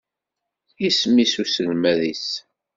Isem-is uselmad-is?